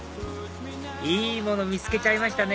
いいもの見つけちゃいましたね